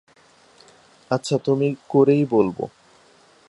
আচ্ছা, তুমি করেই বলব।